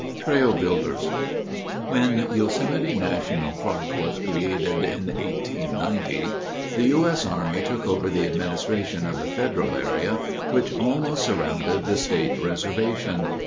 Trail Builders When Yosemite National Park was created in 1890, the U. S. Army took over the administration of the federal area which almost surrounded the state reservation.